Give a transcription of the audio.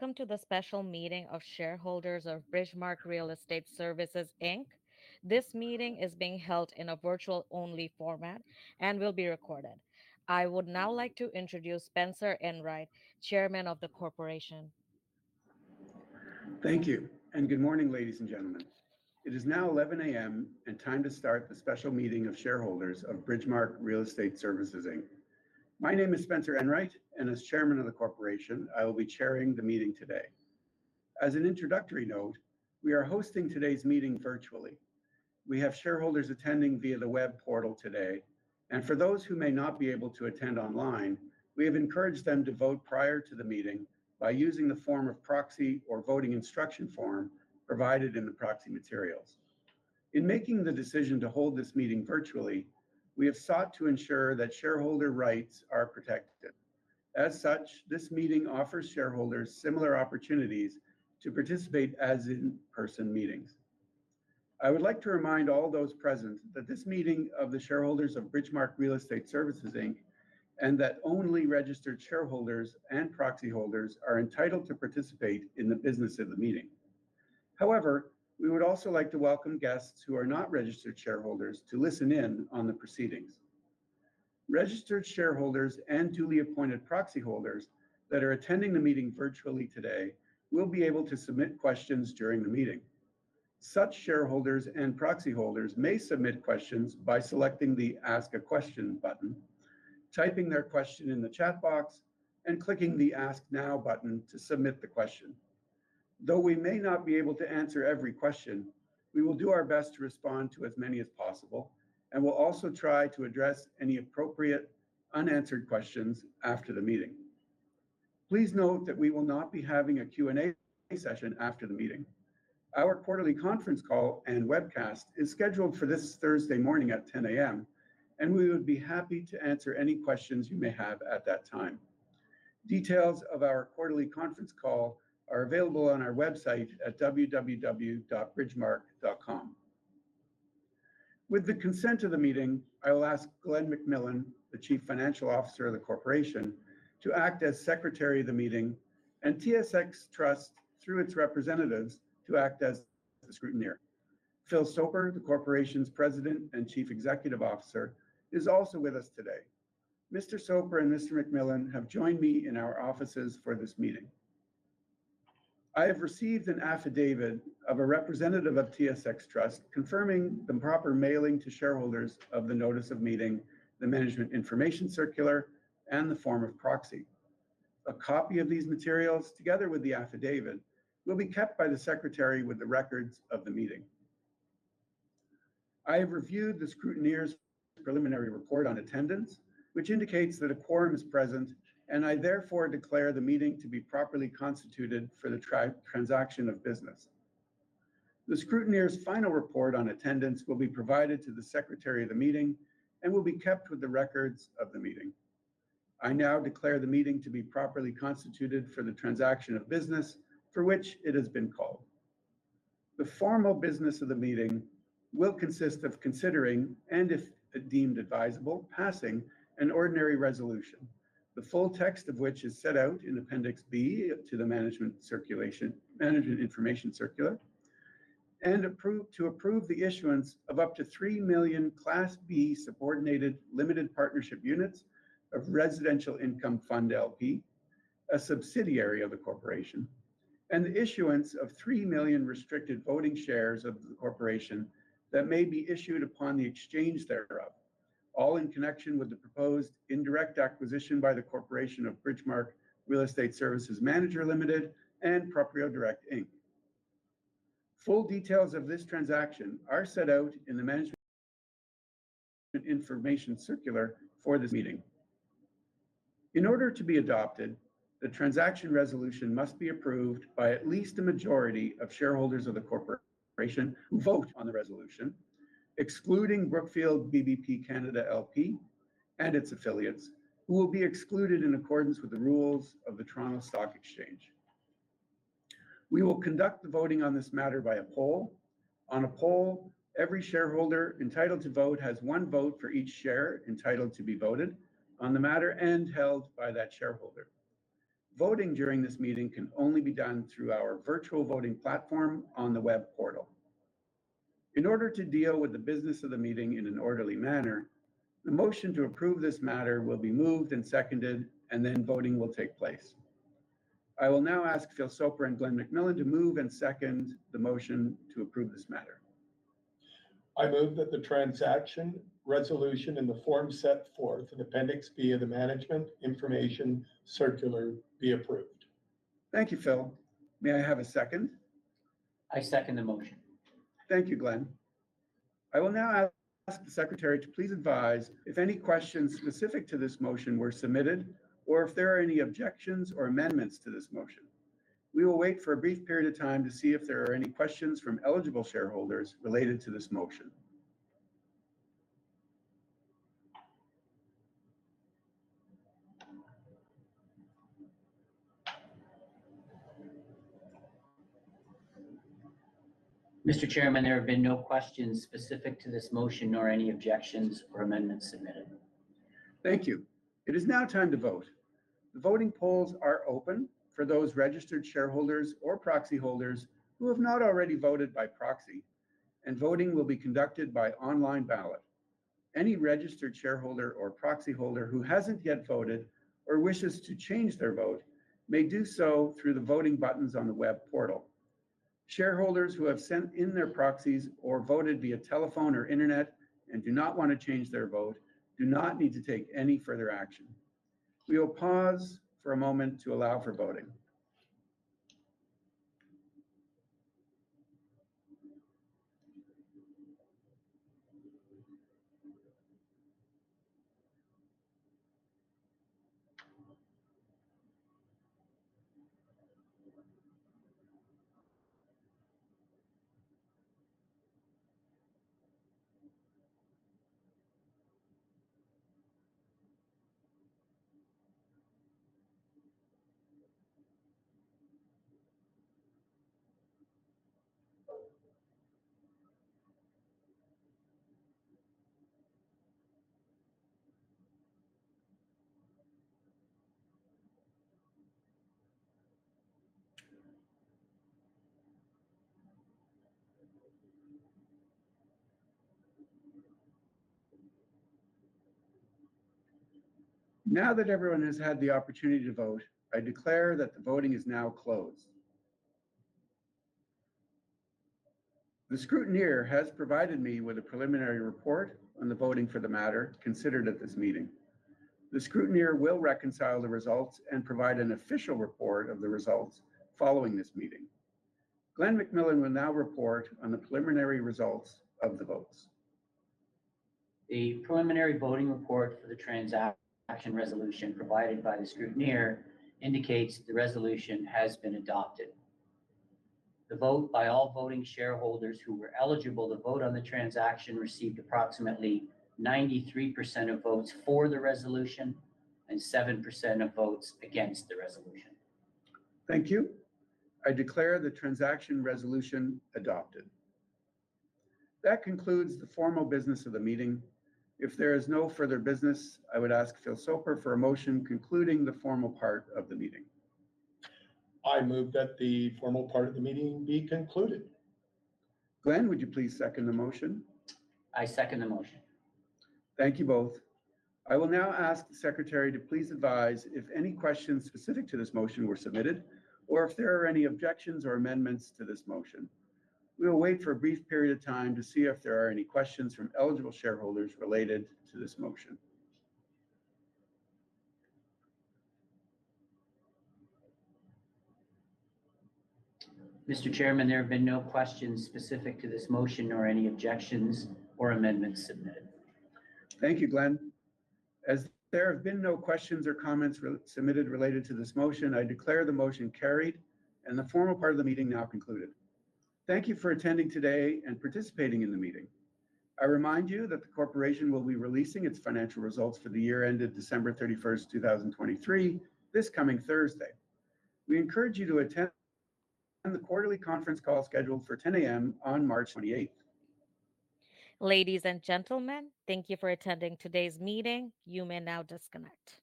Welcome to the special meeting of shareholders of Bridgemarq Real Estate Services Inc. This meeting is being held in a virtual-only format and will be recorded. I would now like to introduce Spencer Enright, Chairman of the corporation. Thank you, and good morning, ladies and gentlemen. It is now 11:00 A.M. and time to start the special meeting of shareholders of Bridgemarq Real Estate Services Inc. My name is Spencer Enright, and as chairman of the corporation, I will be chairing the meeting today. As an introductory note, we are hosting today's meeting virtually. We have shareholders attending via the web portal today, and for those who may not be able to attend online, we have encouraged them to vote prior to the meeting by using the form of proxy or voting instruction form provided in the proxy materials. In making the decision to hold this meeting virtually, we have sought to ensure that shareholder rights are protected. As such, this meeting offers shareholders similar opportunities to participate as in-person meetings. I would like to remind all those present that this meeting of the shareholders of Bridgemarq Real Estate Services Inc. and that only registered shareholders and proxy holders are entitled to participate in the business of the meeting. However, we would also like to welcome guests who are not registered shareholders to listen in on the proceedings. Registered shareholders and duly appointed proxy holders that are attending the meeting virtually today will be able to submit questions during the meeting. Such shareholders and proxy holders may submit questions by selecting the Ask a Question button, typing their question in the chat box, and clicking the Ask Now button to submit the question. Though we may not be able to answer every question, we will do our best to respond to as many as possible, and we'll also try to address any appropriate unanswered questions after the meeting. Please note that we will not be having a Q&A session after the meeting. Our quarterly conference call and webcast is scheduled for this Thursday morning at 10 A.M., and we would be happy to answer any questions you may have at that time. Details of our quarterly conference call are available on our website at www.bridgemarq.com. With the consent of the meeting, I will ask Glen McMillan, the Chief Financial Officer of the corporation, to act as Secretary of the meeting and TSX Trust, through its representatives, to act as the scrutineer. Phil Soper, the corporation's President and Chief Executive Officer, is also with us today. Mr. Soper and Mr. McMillan have joined me in our offices for this meeting. I have received an affidavit of a representative of TSX Trust, confirming the proper mailing to shareholders of the notice of meeting, the management information circular, and the form of proxy. A copy of these materials, together with the affidavit, will be kept by the Secretary with the records of the meeting. I have reviewed the scrutineer's preliminary report on attendance, which indicates that a quorum is present, and I therefore declare the meeting to be properly constituted for the transaction of business. The scrutineer's final report on attendance will be provided to the Secretary of the meeting and will be kept with the records of the meeting. I now declare the meeting to be properly constituted for the transaction of business for which it has been called. The formal business of the meeting will consist of considering, and if deemed advisable, passing an ordinary resolution, the full text of which is set out in Appendix B to the management information circular, to approve the issuance of up to 3 million Class B subordinated limited partnership units of Residential Income Fund L.P., a subsidiary of the corporation, and the issuance of 3 million restricted voting shares of the corporation that may be issued upon the exchange thereof, all in connection with the proposed indirect acquisition by the corporation of Bridgemarq Real Estate Services Manager Limited and Proprio Direct Inc. Full details of this transaction are set out in the management information circular for this meeting. In order to be adopted, the transaction resolution must be approved by at least a majority of shareholders of the corporation who vote on the resolution, excluding Brookfield BBP (Canada) L.P. and its affiliates, who will be excluded in accordance with the rules of the Toronto Stock Exchange. We will conduct the voting on this matter by a poll. On a poll, every shareholder entitled to vote has one vote for each share entitled to be voted on the matter and held by that shareholder. Voting during this meeting can only be done through our virtual voting platform on the web portal. In order to deal with the business of the meeting in an orderly manner, the motion to approve this matter will be moved and seconded, and then voting will take place. I will now ask Phil Soper and Glen McMillan to move and second the motion to approve this matter. I move that the transaction resolution in the form set forth in Appendix B of the management information circular be approved. Thank you, Phil. May I have a second? I second the motion. Thank you, Glen. I will now ask the Secretary to please advise if any questions specific to this motion were submitted or if there are any objections or amendments to this motion. We will wait for a brief period of time to see if there are any questions from eligible shareholders related to this motion. Mr. Chairman, there have been no questions specific to this motion, nor any objections or amendments submitted. Thank you. It is now time to vote. The voting polls are open for those registered shareholders or proxy holders who have not already voted by proxy, and voting will be conducted by online ballot. Any registered shareholder or proxy holder who hasn't yet voted or wishes to change their vote may do so through the voting buttons on the web portal. Shareholders who have sent in their proxies or voted via telephone or internet and do not wanna change their vote, do not need to take any further action. We will pause for a moment to allow for voting. Now that everyone has had the opportunity to vote, I declare that the voting is now closed. The scrutineer has provided me with a preliminary report on the voting for the matter considered at this meeting. The scrutineer will reconcile the results and provide an official report of the results following this meeting. Glen McMillan will now report on the preliminary results of the votes. A preliminary voting report for the transaction resolution provided by the scrutineer indicates that the resolution has been adopted. The vote by all voting shareholders who were eligible to vote on the transaction received approximately 93% of votes for the resolution and 7% of votes against the resolution. Thank you. I declare the Transaction Resolution adopted. That concludes the formal business of the meeting. If there is no further business, I would ask Phil Soper for a motion concluding the formal part of the meeting. I move that the formal part of the meeting be concluded. Glen, would you please second the motion? I second the motion. Thank you both. I will now ask the secretary to please advise if any questions specific to this motion were submitted, or if there are any objections or amendments to this motion. We will wait for a brief period of time to see if there are any questions from eligible shareholders related to this motion. Mr. Chairman, there have been no questions specific to this motion, nor any objections or amendments submitted. Thank you, Glen. As there have been no questions or comments submitted related to this motion, I declare the motion carried and the formal part of the meeting now concluded. Thank you for attending today and participating in the meeting. I remind you that the corporation will be releasing its financial results for the year ended December 31st, 2023, this coming Thursday. We encourage you to attend the quarterly conference call scheduled for 10:00 A.M. on March 28. Ladies and gentlemen, thank you for attending today's meeting. You may now disconnect.